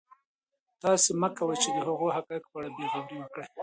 تاسو مه کوئ چې د هغوی د حقایقو په اړه بې غوري وکړئ.